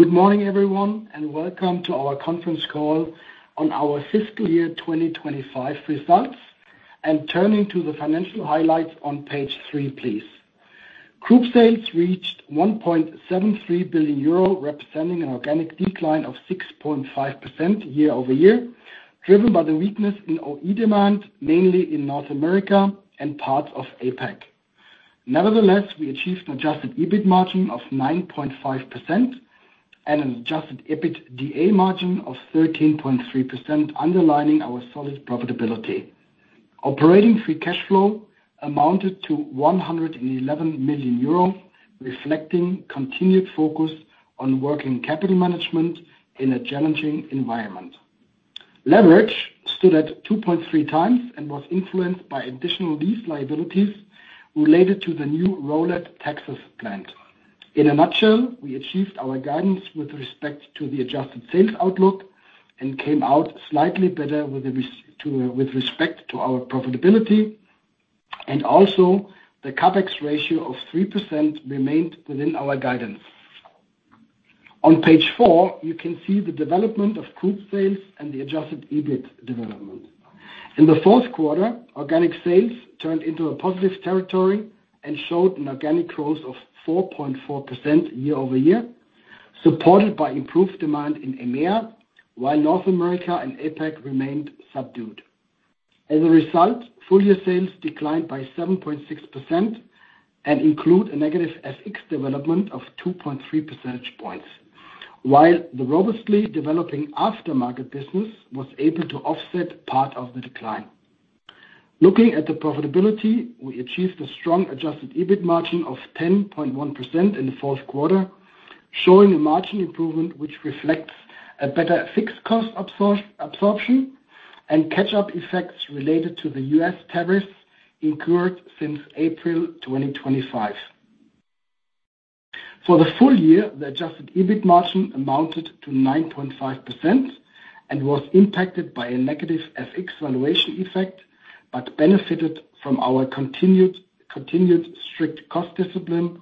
Good morning everyone and welcome to our conference call on our fiscal year 2025 results. Turning to the financial highlights on page three, please. Group sales reached 1.73 billion euro, representing an organic decline of 6.5% year-over-year, driven by the weakness in OE demand, mainly in North America and parts of APAC. Nevertheless, we achieved an adjusted EBIT margin of 9.5% and an adjusted EBITDA margin of 13.3%, underlining our solid profitability. Operating free cash flow amounted to 111 million euro, reflecting continued focus on working capital management in a challenging environment. Leverage stood at 2.3x and was influenced by additional lease liabilities related to the new Rowlett, Texas plant. In a nutshell, we achieved our guidance with respect to the adjusted sales outlook and came out slightly better with respect to our profitability. Also the CapEx ratio of 3% remained within our guidance. On page four, you can see the development of Group sales and the adjusted EBIT development. In the fourth quarter, organic sales turned into a positive territory and showed an organic growth of 4.4% year-over-year, supported by improved demand in EMEA, while North America and APAC remained subdued. As a result, full year sales declined by 7.6% and include a negative FX development of 2.3 percentage points. While the robustly developing aftermarket business was able to offset part of the decline. Looking at the profitability, we achieved a strong adjusted EBIT margin of 10.1% in the fourth quarter, showing a margin improvement which reflects a better fixed cost absorption and catch-up effects related to the U.S. tariffs incurred since April 2025. For the full year, the adjusted EBIT margin amounted to 9.5% and was impacted by a negative FX valuation effect, but benefited from our continued strict cost discipline,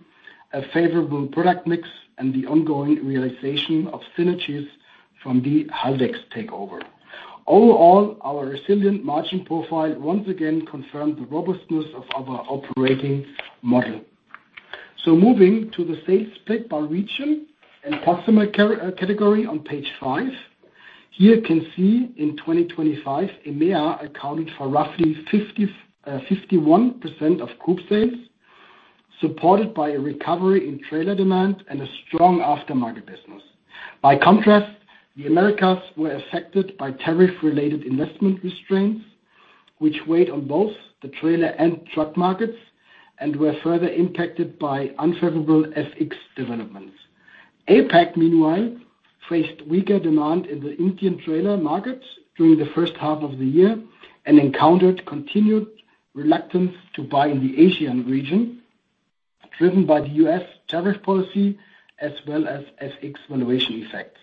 a favorable product mix, and the ongoing realization of synergies from the Haldex takeover. Overall, our resilient margin profile once again confirmed the robustness of our operating model. Moving to the sales split by region and customer category on page five. Here you can see in 2025, EMEA accounted for roughly 51% of Group sales, supported by a recovery in trailer demand and a strong aftermarket business. By contrast, the Americas were affected by tariff-related investment restraints, which weighed on both the trailer and truck markets and were further impacted by unfavorable FX developments. APAC, meanwhile, faced weaker demand in the Indian trailer markets during the first half of the year and encountered continued reluctance to buy in the Asian region, driven by the U.S. tariff policy as well as FX valuation effects.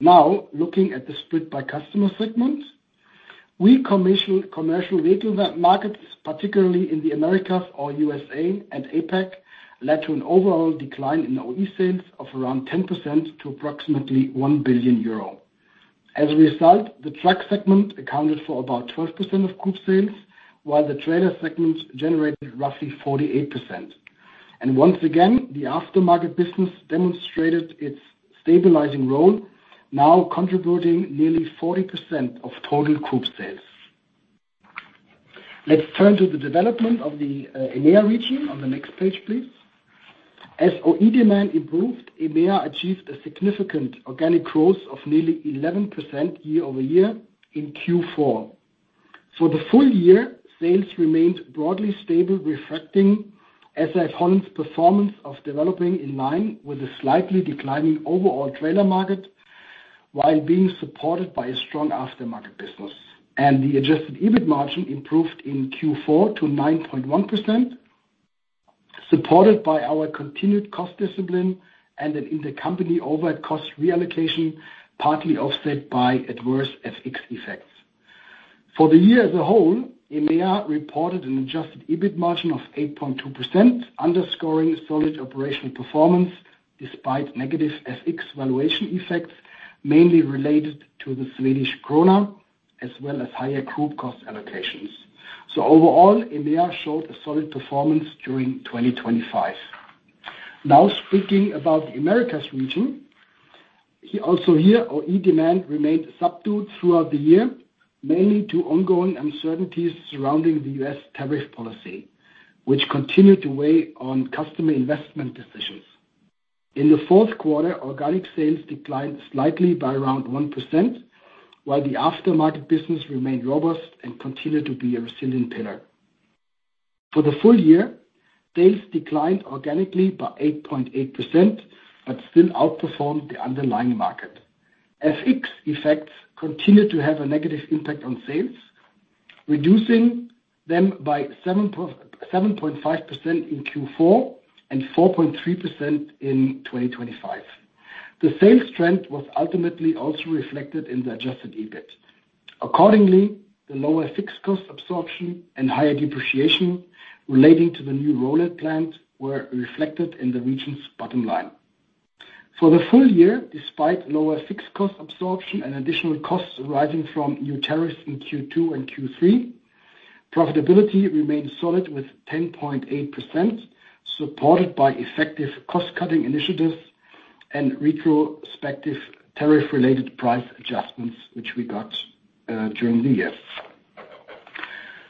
Now, looking at the split by customer segments. Weak commercial vehicle markets, particularly in the Americas or U.S. and APAC, led to an overall decline in OE sales of around 10% to approximately 1 billion euro. As a result, the truck segment accounted for about 12% of Group sales, while the trailer segment generated roughly 48%. Once again, the aftermarket business demonstrated its stabilizing role, now contributing nearly 40% of total Group sales. Let's turn to the development of the EMEA region on the next page, please. As OE demand improved, EMEA achieved a significant organic growth of nearly 11% year-over-year in Q4. For the full year, sales remained broadly stable, reflecting a solid performance developing in line with a slightly declining overall trailer market while being supported by a strong aftermarket business. The adjusted EBIT margin improved in Q4 to 9.1%, supported by our continued cost discipline and an intercompany overhead cost reallocation partly offset by adverse FX effects. For the year as a whole, EMEA reported an adjusted EBIT margin of 8.2%, underscoring solid operational performance despite negative FX valuation effects, mainly related to the Swedish krona as well as higher Group cost allocations. Overall, EMEA showed a solid performance during 2025. Now, speaking about the Americas region. Also here, OE demand remained subdued throughout the year, mainly due to ongoing uncertainties surrounding the U.S. tariff policy, which continued to weigh on customer investment decisions. In the fourth quarter, organic sales declined slightly by around 1%, while the aftermarket business remained robust and continued to be a resilient pillar. For the full year, sales declined organically by 8.8%, but still outperformed the underlying market. FX effects continued to have a negative impact on sales, reducing them by 7.75% in Q4 and 4.3% in 2025. The sales trend was ultimately also reflected in the adjusted EBIT. Accordingly, the lower fixed cost absorption and higher depreciation relating to the new Rowlett plant were reflected in the region's bottom line. For the full year, despite lower fixed cost absorption and additional costs arising from new tariffs in Q2 and Q3, profitability remained solid with 10.8%, supported by effective cost-cutting initiatives and retrospective tariff-related price adjustments which we got during the year.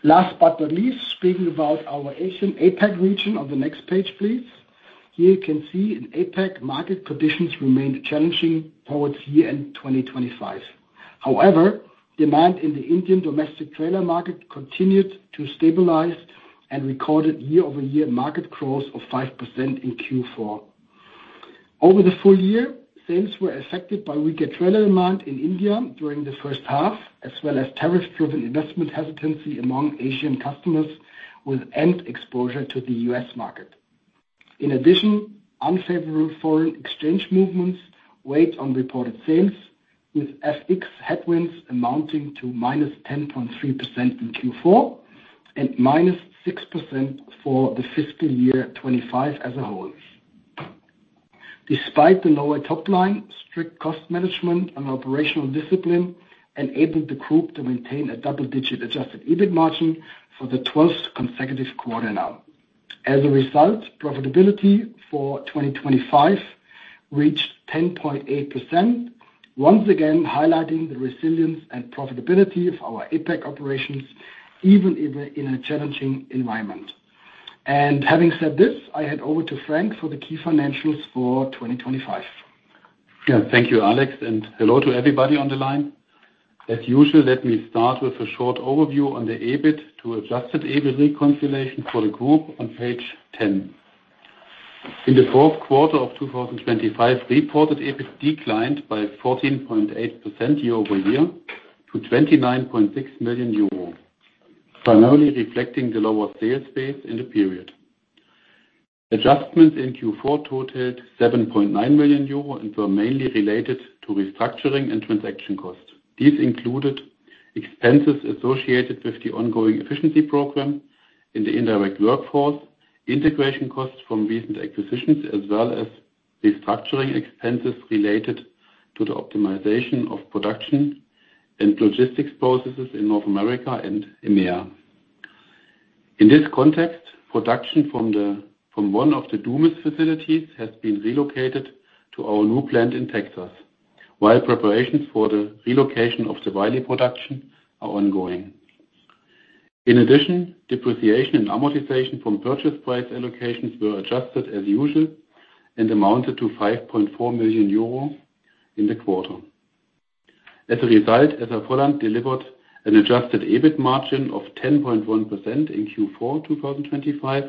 Last but not least, speaking about our Asian APAC region on the next page, please. Here you can see in APAC, market conditions remained challenging towards year-end 2025. However, demand in the Indian domestic trailer market continued to stabilize and recorded year-over-year market growth of 5% in Q4. Over the full year, sales were affected by weaker trailer demand in India during the first half, as well as tariff-driven investment hesitancy among Asian customers with end exposure to the U.S. Market. In addition, unfavorable foreign exchange movements weighed on reported sales, with FX headwinds amounting to -10.3% in Q4 and -6% for the fiscal year 2025 as a whole. Despite the lower top line, strict cost management and operational discipline enabled the Group to maintain a double-digit adjusted EBIT margin for the 12th consecutive quarter now. As a result, profitability for 2025 reached 10.8%, once again highlighting the resilience and profitability of our APAC operations, even in a challenging environment. Having said this, I hand over to Frank for the key financials for 2025. Yeah. Thank you, Alex, and hello to everybody on the line. As usual, let me start with a short overview on the EBIT to adjusted EBIT reconciliation for the Group on page 10. In the fourth quarter of 2025, reported EBIT declined by 14.8% year-over-year to 29.6 million euro, primarily reflecting the lower sales base in the period. Adjustments in Q4 totaled 7.9 million euro and were mainly related to restructuring and transaction costs. These included expenses associated with the ongoing efficiency program in the indirect workforce, integration costs from recent acquisitions, as well as restructuring expenses related to the optimization of production and logistics processes in North America and EMEA. In this context, production from one of the Dumas facilities has been relocated to our new plant in Texas, while preparations for the relocation of the Wylie production are ongoing. In addition, depreciation and amortization from purchase price allocations were adjusted as usual and amounted to 5.4 million euro in the quarter. As a result, SAF-HOLLAND delivered an adjusted EBIT margin of 10.1% in Q4 2025,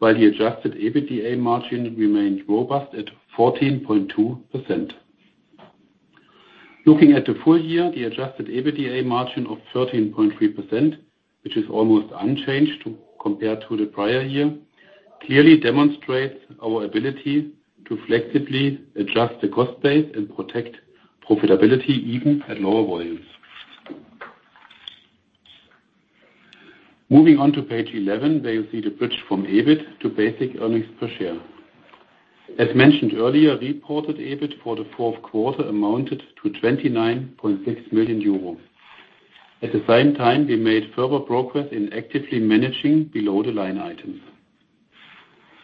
while the adjusted EBITDA margin remained robust at 14.2%. Looking at the full year, the adjusted EBITDA margin of 13.3%, which is almost unchanged compared to the prior year, clearly demonstrates our ability to flexibly adjust the cost base and protect profitability even at lower volumes. Moving on to page 11, there you see the bridge from EBIT to basic earnings per share. As mentioned earlier, reported EBIT for the fourth quarter amounted to 29.6 million euro. At the same time, we made further progress in actively managing below-the-line items.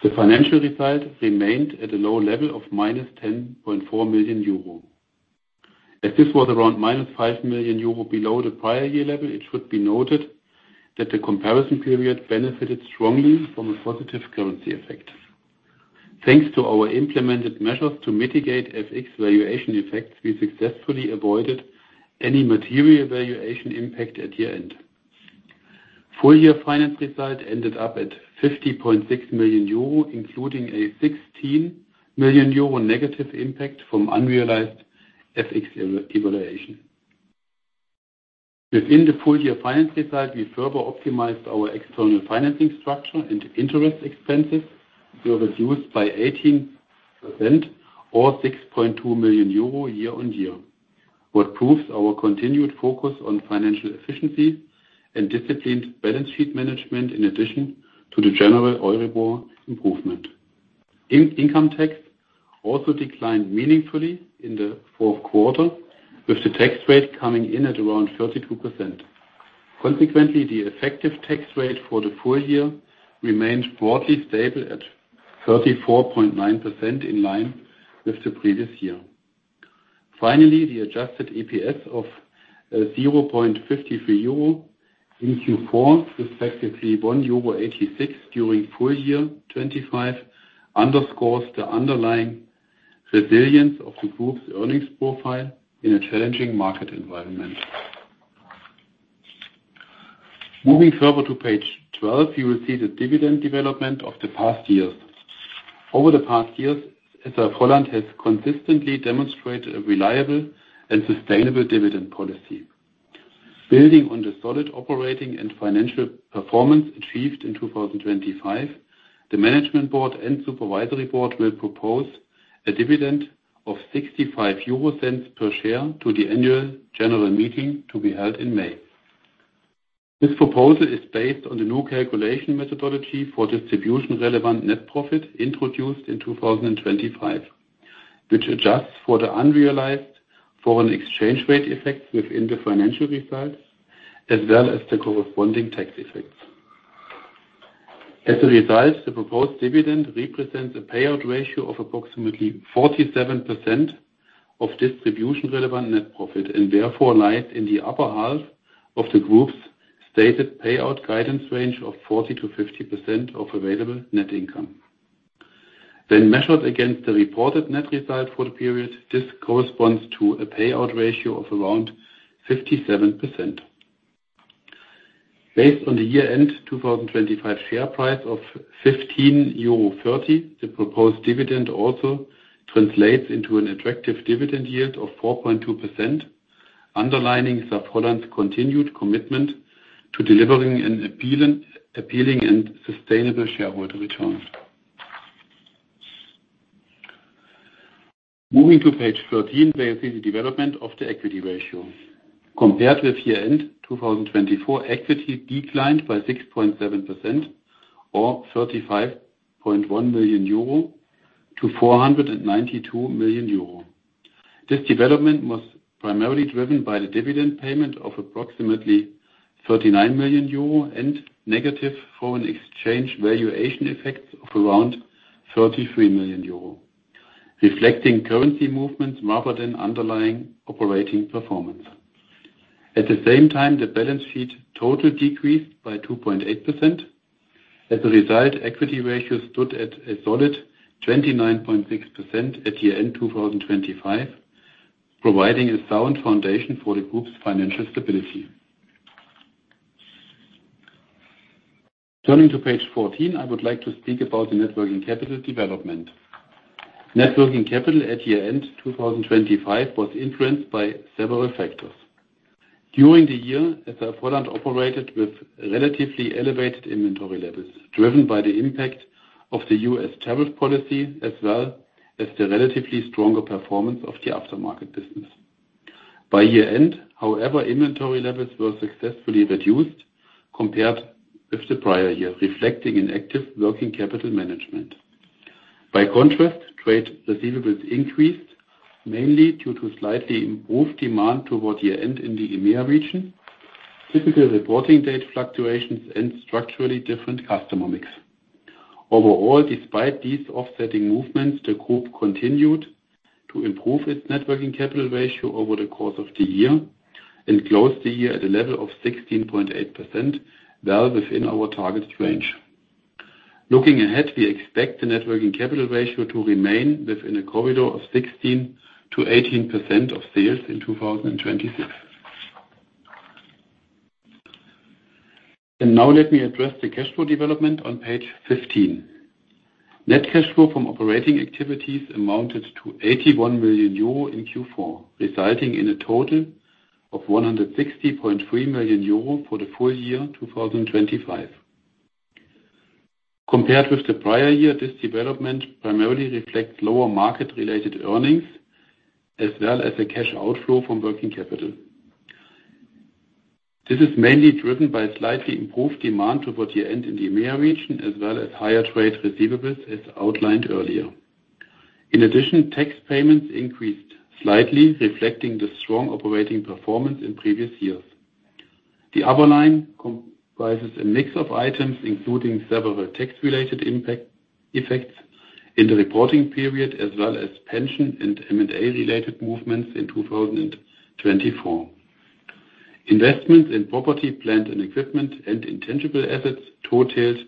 The financial result remained at a low level of -10.4 million euro. As this was around -5 million euro below the prior year level, it should be noted that the comparison period benefited strongly from a positive currency effect. Thanks to our implemented measures to mitigate FX valuation effects, we successfully avoided any material valuation impact at year-end. Full-year financial result ended up at 50.6 million euro, including a 16 million euro negative impact from unrealized FX devaluation. Within the full-year financial result, we further optimized our external financing structure, and interest expenses were reduced by 18% or 6.2 million euro year-on-year. This proves our continued focus on financial efficiency and disciplined balance sheet management in addition to the general Euribor improvement. Income tax also declined meaningfully in the fourth quarter, with the tax rate coming in at around 32%. Consequently, the effective tax rate for the full year remained broadly stable at 34.9% in line with the previous year. Finally, the adjusted EPS of 0.53 euro in Q4, respectively 1.86 euro during full year 2025, underscores the underlying resilience of the Group's earnings profile in a challenging market environment. Moving further to page 12, you will see the dividend development of the past years. Over the past years, SAF-HOLLAND has consistently demonstrated a reliable and sustainable dividend policy. Building on the solid operating and financial performance achieved in 2025. The management board and supervisory board will propose a dividend of 0.65 per share to the annual general meeting to be held in May. This proposal is based on the new calculation methodology for distribution relevant net profit introduced in 2025, which adjusts for the unrealized foreign exchange rate effects within the financial results, as well as the corresponding tax effects. As a result, the proposed dividend represents a payout ratio of approximately 47% of distribution relevant net profit, and therefore lies in the upper half of the Group's stated payout guidance range of 40%-50% of available net income. When measured against the reported net result for the period, this corresponds to a payout ratio of around 57%. Based on the year-end 2025 share price of 15.30 euro, the proposed dividend also translates into an attractive dividend yield of 4.2%, underlining SAF-HOLLAND's continued commitment to delivering an appealing and sustainable shareholder return. Moving to page 13, where you see the development of the equity ratio. Compared with year-end 2024, equity declined by 6.7% or 35.1 million euro to 492 million euro. This development was primarily driven by the dividend payment of approximately 39 million euro and negative foreign exchange valuation effects of around 33 million euro, reflecting currency movements rather than underlying operating performance. At the same time, the balance sheet total decreased by 2.8%. As a result, equity ratio stood at a solid 29.6% at year-end 2025, providing a sound foundation for the Group's financial stability. Turning to page 14, I would like to speak about the net working capital development. Net working capital at year-end 2025 was influenced by several factors. During the year, SAF-HOLLAND operated with relatively elevated inventory levels, driven by the impact of the U.S. Tariff policy, as well as the relatively stronger performance of the aftermarket business. By year-end, however, inventory levels were successfully reduced compared with the prior year, reflecting an active working capital management. By contrast, trade receivables increased mainly due to slightly improved demand toward year-end in the EMEA region, typical reporting date fluctuations and structurally different customer mix. Overall, despite these offsetting movements, the Group continued to improve its net working capital ratio over the course of the year and closed the year at a level of 16.8%, well within our targeted range. Looking ahead, we expect the net working capital ratio to remain within a corridor of 16%-18% of sales in 2026. Now let me address the cash flow development on page 15. Net cash flow from operating activities amounted to 81 million euro in Q4, resulting in a total of 160.3 million euro for the full year 2025. Compared with the prior year, this development primarily reflects lower market-related earnings as well as a cash outflow from working capital. This is mainly driven by slightly improved demand toward the end in the EMEA region, as well as higher trade receivables, as outlined earlier. In addition, tax payments increased slightly, reflecting the strong operating performance in previous years. The other line comprises a mix of items, including several tax-related effects in the reporting period, as well as pension and M&A related movements in 2024. Investments in property, plant and equipment and intangible assets totaled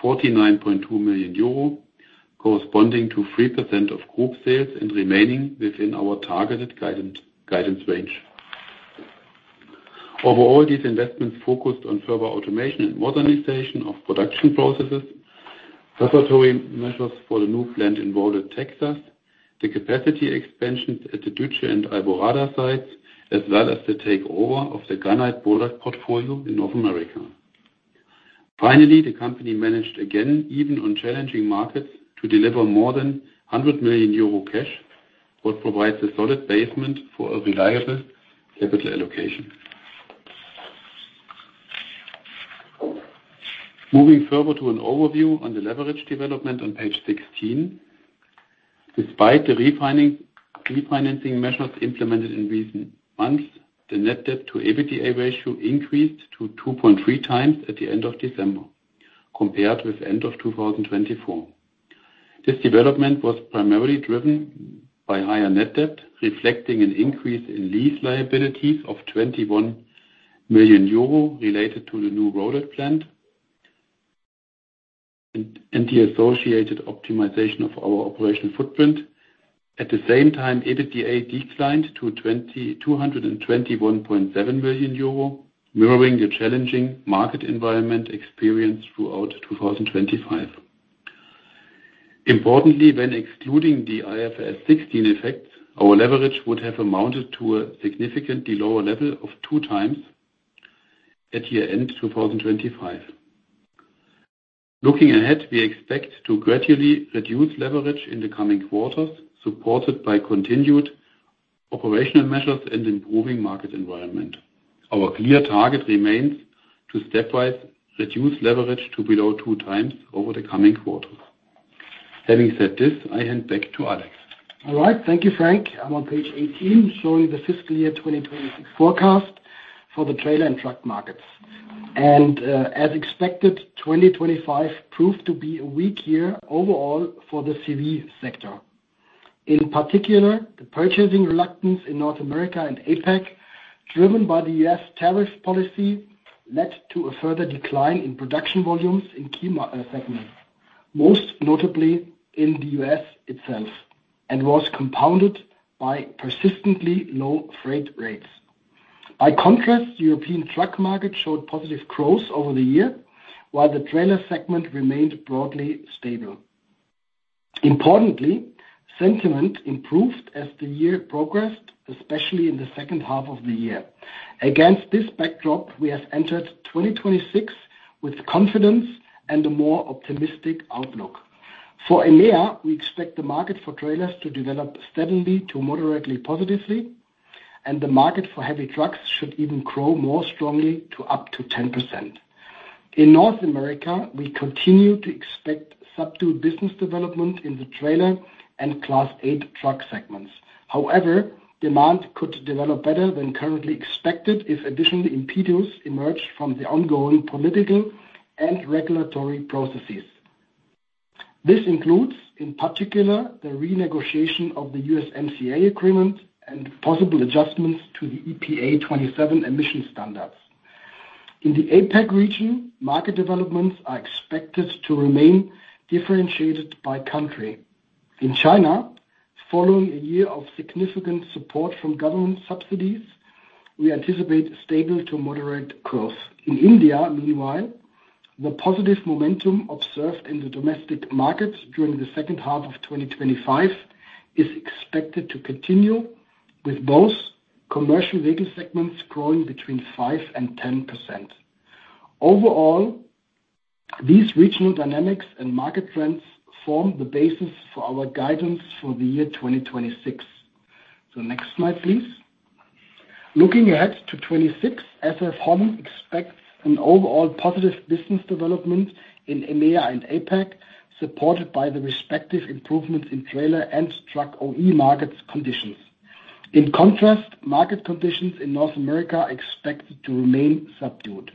49.2 million euro, corresponding to 3% of Group sales and remaining within our targeted guidance range. Overall, these investments focused on further automation and modernization of production processes, regulatory measures for the new plant in Rowlett, Texas, the capacity expansions at the Düzce and Alvorada sites, as well as the takeover of the GRANIT PARTS portfolio in North America. Finally, the company managed again, even on challenging markets, to deliver more than 100 million euro cash, what provides a solid basis for a reliable capital allocation. Moving further to an overview on the leverage development on page 16. Despite the refinancing measures implemented in recent months, the net debt to EBITDA ratio increased to 2.3x at the end of December compared with end of 2024. This development was primarily driven by higher net debt, reflecting an increase in lease liabilities of 21 million euro related to the new Rowlett plant and the associated optimization of our operational footprint. At the same time, EBITDA declined to 221.7 million euro, mirroring the challenging market environment experienced throughout 2025. Importantly, when excluding the IFRS 16 effect, our leverage would have amounted to a significantly lower level of 2x at year-end 2025. Looking ahead, we expect to gradually reduce leverage in the coming quarters, supported by continued operational measures and improving market environment. Our clear target remains to stepwise reduce leverage to below 2x over the coming quarters. Having said this, I hand back to Alex. All right. Thank you, Frank. I'm on page 18, showing the fiscal year 2026 forecast for the trailer and truck markets. As expected, 2025 proved to be a weak year overall for the CV sector. In particular, the purchasing reluctance in North America and APAC, driven by the U.S. tariff policy, led to a further decline in production volumes in key segments, most notably in the U.S. itself, and was compounded by persistently low freight rates. By contrast, European truck market showed positive growth over the year, while the trailer segment remained broadly stable. Importantly, sentiment improved as the year progressed, especially in the second half of the year. Against this backdrop, we have entered 2026 with confidence and a more optimistic outlook. For EMEA, we expect the market for trailers to develop steadily to moderately positively, and the market for heavy trucks should even grow more strongly to up to 10%. In North America, we continue to expect stable business development in the trailer and Class 8 truck segments. However, demand could develop better than currently expected if additional impediments emerge from the ongoing political and regulatory processes. This includes, in particular, the renegotiation of the USMCA agreement and possible adjustments to the EPA 2027 emission standards. In the APAC region, market developments are expected to remain differentiated by country. In China, following a year of significant support from government subsidies, we anticipate stable to moderate growth. In India, meanwhile, the positive momentum observed in the domestic markets during the second half of 2025 is expected to continue, with both commercial vehicle segments growing between 5% and 10%. Overall, these regional dynamics and market trends form the basis for our guidance for the year 2026. Next slide, please. Looking ahead to 2026, SAF-HOLLAND expects an overall positive business development in EMEA and APAC, supported by the respective improvements in trailer and truck OE market conditions. In contrast, market conditions in North America are expected to remain subdued.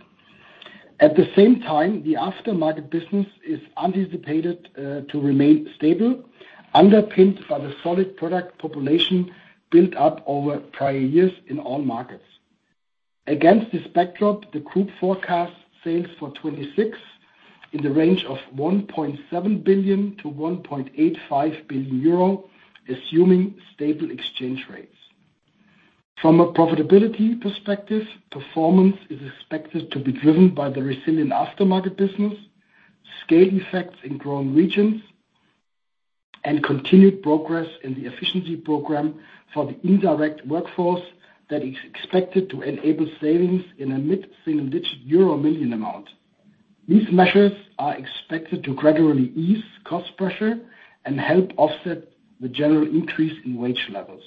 At the same time, the aftermarket business is anticipated to remain stable, underpinned by the solid product population built up over prior years in all markets. Against this backdrop, the Group forecast sales for 2026 in the range of 1.7 billion-1.85 billion euro, assuming stable exchange rates. From a profitability perspective, performance is expected to be driven by the resilient aftermarket business, scale effects in growing regions, and continued progress in the efficiency program for the indirect workforce that is expected to enable savings in a mid-single digit euro million amount. These measures are expected to gradually ease cost pressure and help offset the general increase in wage levels.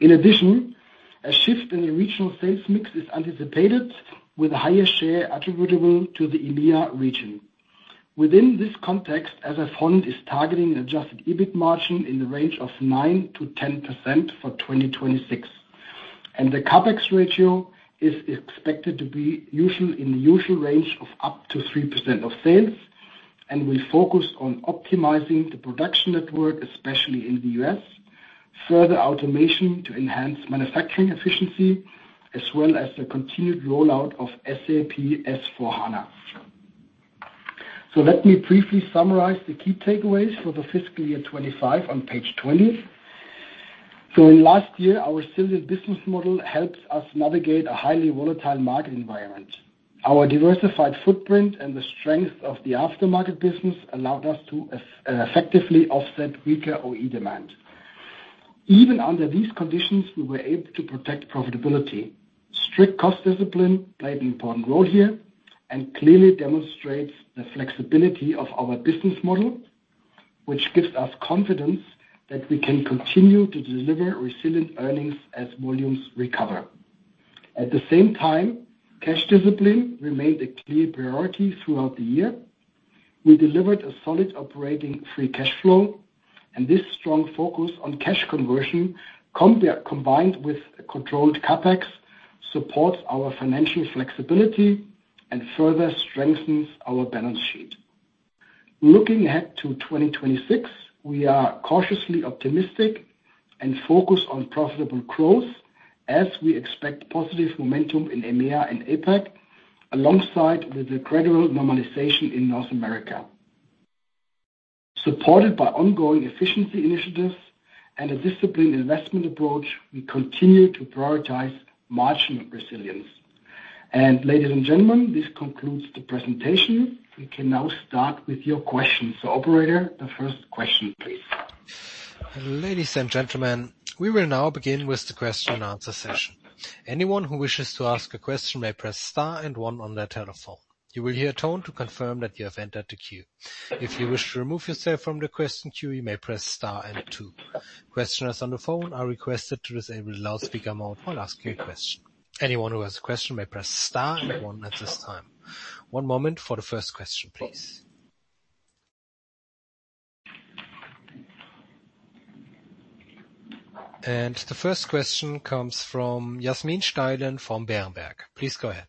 In addition, a shift in the regional sales mix is anticipated, with a higher share attributable to the EMEA region. Within this context, SAF-HOLLAND is targeting adjusted EBIT margin in the range of 9%-10% for 2026. The CapEx ratio is expected to be usual, in the usual range of up to 3% of sales and will focus on optimizing the production network, especially in the U.S. Further automation to enhance manufacturing efficiency as well as the continued rollout of SAP S/4HANA. Let me briefly summarize the key takeaways for the fiscal year 2025 on page 20. In last year, our business model helped us navigate a highly volatile market environment. Our diversified footprint and the strength of the aftermarket business allowed us to effectively offset weaker OE demand. Even under these conditions, we were able to protect profitability. Strict cost discipline played an important role here and clearly demonstrates the flexibility of our business model, which gives us confidence that we can continue to deliver resilient earnings as volumes recover. At the same time, cash discipline remained a clear priority throughout the year. We delivered a solid operating free cash flow, and this strong focus on cash conversion combined with a controlled CapEx, supports our financial flexibility and further strengthens our balance sheet. Looking ahead to 2026, we are cautiously optimistic and focused on profitable growth as we expect positive momentum in EMEA and APAC, alongside with the gradual normalization in North America. Supported by ongoing efficiency initiatives and a disciplined investment approach, we continue to prioritize margin resilience. Ladies and gentlemen, this concludes the presentation. We can now start with your questions. Operator, the first question, please. Ladies and gentlemen, we will now begin with the question answer session. Anyone who wishes to ask a question may press star and one on their telephone. You will hear a tone to confirm that you have entered the queue. If you wish to remove yourself from the question queue, you may press star and two. Questioners on the phone are requested to disable loudspeaker mode while asking a question. Anyone who has a question may press star and one at this time. One moment for the first question, please. The first question comes from Yasmin Steilen from Berenberg. Please go ahead.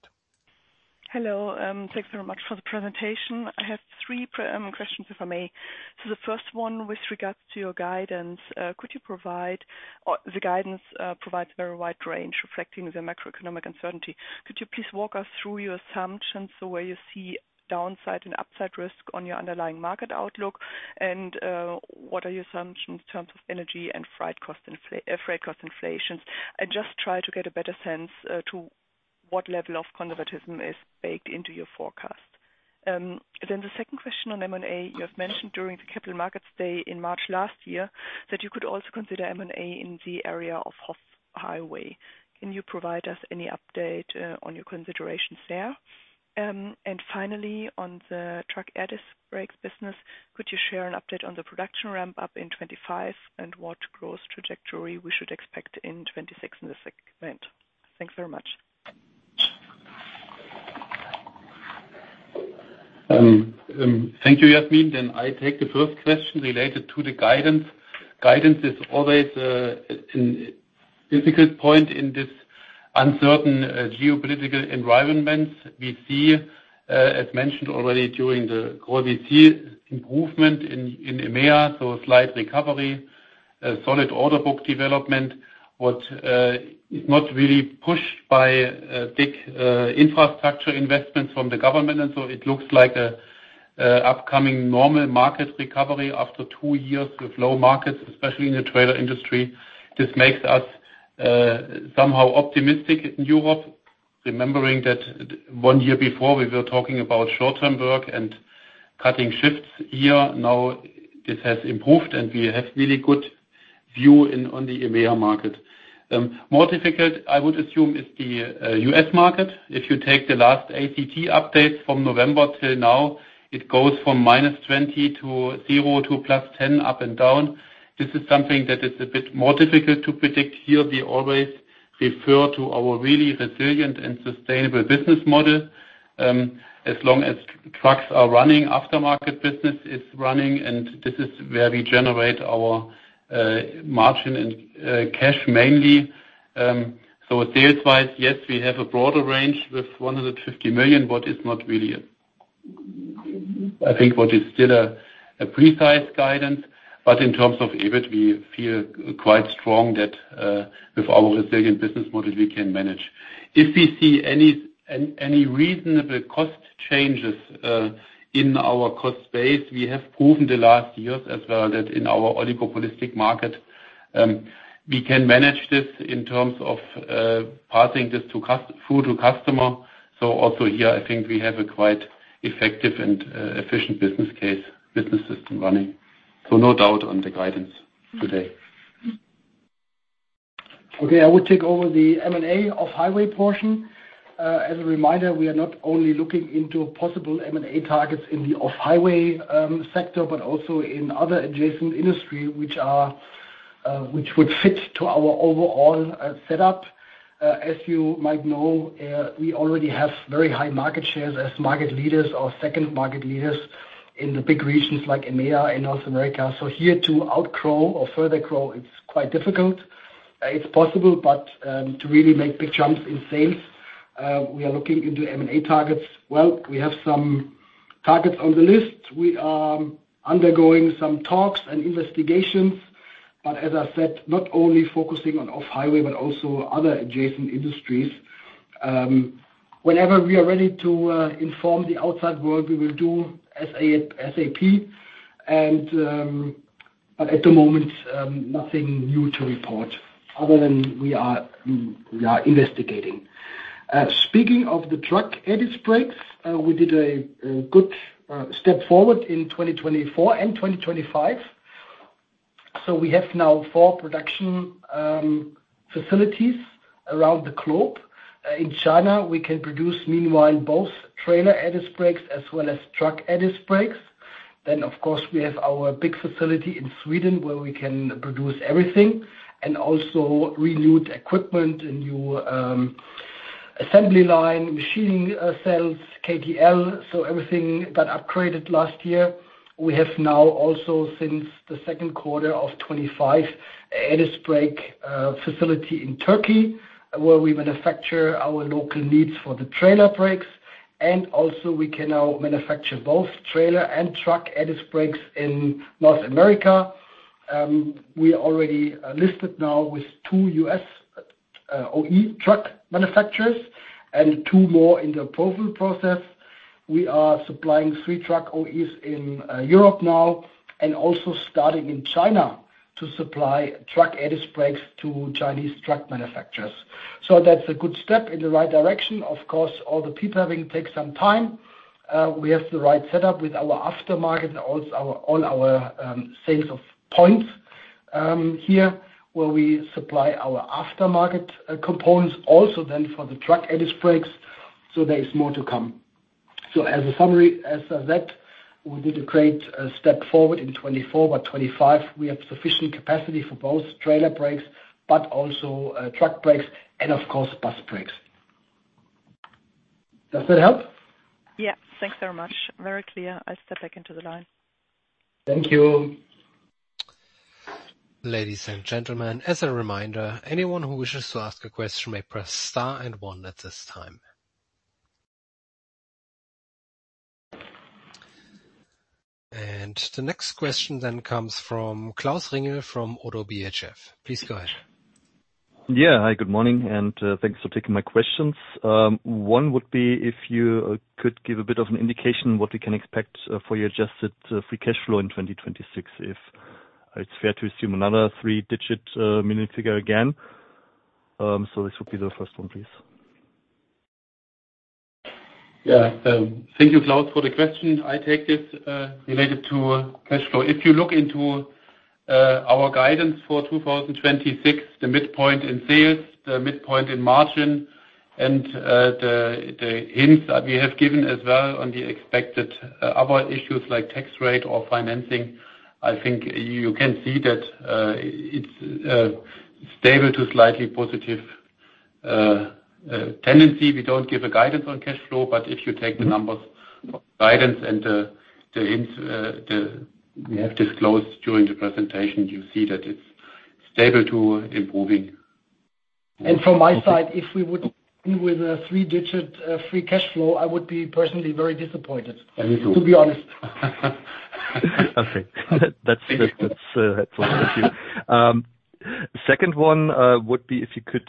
Hello, thanks very much for the presentation. I have three questions, if I may. The first one with regards to your guidance, the guidance provides a very wide range reflecting the macroeconomic uncertainty. Could you please walk us through your assumptions where you see downside and upside risk on your underlying market outlook? What are your assumptions in terms of energy and freight cost inflations? I just try to get a better sense to what level of conservatism is baked into your forecast. The second question on M&A, you have mentioned during the Capital Markets Day in March last year that you could also consider M&A in the area of off-highway. Can you provide us any update on your considerations there? Finally, on the truck air disc brakes business, could you share an update on the production ramp up in 2025 and what growth trajectory we should expect in 2026 in the segment? Thanks very much. Thank you, Yasmin. I take the first question related to the guidance. Guidance is always a difficult point in this uncertain geopolitical environment. We see, as mentioned already during the call, we see improvement in EMEA, so slight recovery, a solid order book development, what is not really pushed by big infrastructure investments from the government. It looks like an upcoming normal market recovery after two years with low markets, especially in the trailer industry. This makes us somehow optimistic in Europe, remembering that one year before we were talking about short-term work and cutting shifts here. Now, this has improved, and we have really good view on the EMEA market. More difficult, I would assume, is the U.S. Market. If you take the last ACT update from November till now, it goes from -20 to 0 to +10 up and down. This is something that is a bit more difficult to predict here. We always refer to our really resilient and sustainable business model. As long as trucks are running, aftermarket business is running, and this is where we generate our margin and cash mainly. Sales-wise, yes, we have a broader range with 150 million, but it's not really, I think, what is still a precise guidance. In terms of EBIT, we feel quite strong that with our resilient business model, we can manage. If we see any reasonable cost changes in our cost base, we have proven the last years as well that in our oligopolistic market we can manage this in terms of passing this through to customer. Also here, I think we have a quite effective and efficient business case, business system running. No doubt on the guidance today. Okay, I will take over the M&A off-highway portion. As a reminder, we are not only looking into possible M&A targets in the off-highway sector, but also in other adjacent industry which would fit to our overall setup. As you might know, we already have very high market shares as market leaders or second market leaders in the big regions like EMEA and North America. Here to outgrow or further grow, it's quite difficult. It's possible, but to really make big jumps in sales, we are looking into M&A targets. Well, we have some targets on the list. We are undergoing some talks and investigations, but as I said, not only focusing on off-highway, but also other adjacent industries. Whenever we are ready to inform the outside world, we will do as SAP, but at the moment, nothing new to report other than we are investigating. Speaking of the truck air disc brakes, we did a good step forward in 2024 and 2025. We have now four production facilities around the globe. In China, we can produce meanwhile both trailer air disc brakes as well as truck air disc brakes. Of course, we have our big facility in Sweden where we can produce everything and also renewed equipment, a new assembly line, machining cells, KTL. Everything got upgraded last year. We have now also, since the second quarter of 2025, air disc brake facility in Turkey, where we manufacture our local needs for the trailer brakes. We can now manufacture both trailer and truck air disc brakes in North America. We already listed now with two U.S. OE truck manufacturers and two more in the approval process. We are supplying three truck OEs in Europe now and also starting in China to supply truck air disc brakes to Chinese truck manufacturers. That's a good step in the right direction. Of course, all these things take some time. We have the right setup with our aftermarket and all our sales points here, where we supply our aftermarket components also then for the truck air disc brakes, so there is more to come. As a summary, as I said, we did a great step forward in 2024, but 2025, we have sufficient capacity for both trailer brakes but also truck brakes and of course, bus brakes. Does that help? Yes. Thanks very much. Very clear. I step back into the line. Thank you. Ladies and gentlemen, as a reminder, anyone who wishes to ask a question may press star and one at this time. The next question then comes from Klaus Ringel from Oddo BHF. Please go ahead. Yeah. Hi, good morning, and thanks for taking my questions. One would be if you could give a bit of an indication what we can expect for your adjusted free cash flow in 2026. If it's fair to assume another three-digit million figure again. This would be the first one, please. Yeah. Thank you, Klaus, for the question. I take this related to cash flow. If you look into our guidance for 2026, the midpoint in sales, the midpoint in margin and the hints that we have given as well on the expected other issues like tax rate or financing, I think you can see that it's stable to slightly positive tendency. We don't give a guidance on cash flow, but if you take the numbers of guidance and the hints we have disclosed during the presentation, you see that it's stable to improving. From my side, if we would do with a three-digit free cash flow, I would be personally very disappointed. Me too. To be honest. Okay. That's helpful. Thank you. Second one, would be if you could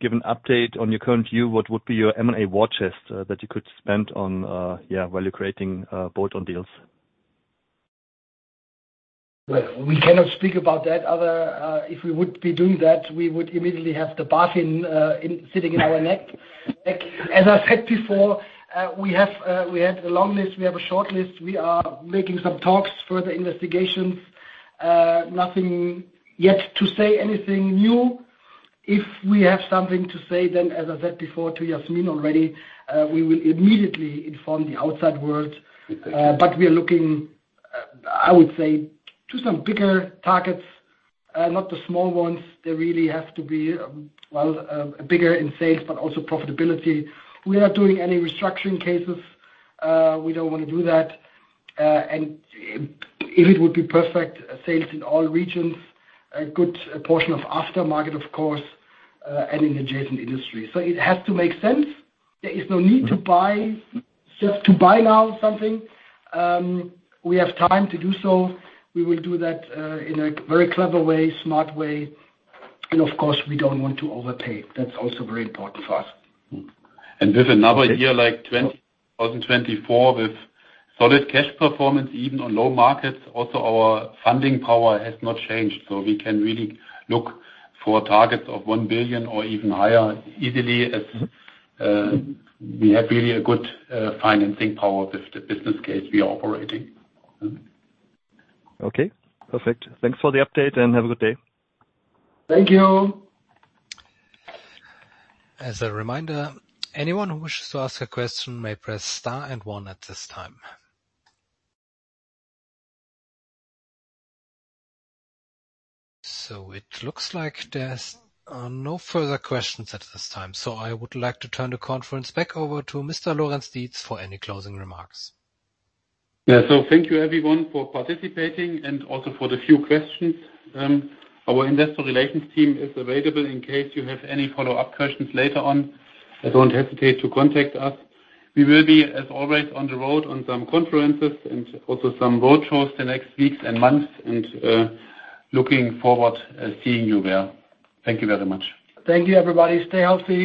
give an update on your current view, what would be your M&A watch list, that you could spend on, yeah, value creating, bolt-on deals? Well, we cannot speak about that other, if we would be doing that, we would immediately have the BaFin sitting on our neck. As I said before, we had a long list, we have a short list. We are making some talks, further investigations. Nothing yet to say anything new. If we have something to say, then as I said before to Yasmin already, we will immediately inform the outside world. But we are looking, I would say to some bigger targets, not the small ones. They really have to be bigger in sales, but also profitability. We are not doing any restructuring cases. We don't wanna do that. If it would be perfect, sales in all regions, a good portion of aftermarket, of course, and in adjacent industry. It has to make sense. There is no need to buy just to buy now something. We have time to do so. We will do that in a very clever way, smart way. Of course, we don't want to overpay. That's also very important for us. With another year, like 2024, with solid cash performance, even on low markets, also our funding power has not changed. We can really look for targets of 1 billion or even higher easily as we have really a good financing power with the business case we are operating. Okay, perfect. Thanks for the update, and have a good day. Thank you. As a reminder, anyone who wishes to ask a question may press star and one at this time. It looks like there's no further questions at this time. I would like to turn the conference back over to Mr. Frank Lorenz-Dietz for any closing remarks. Yeah. Thank you everyone for participating and also for the few questions. Our Investor Relations team is available in case you have any follow-up questions later on. Don't hesitate to contact us. We will be, as always, on the road on some conferences and also some roadshows the next weeks and months and looking forward seeing you there. Thank you very much. Thank you, everybody. Stay healthy.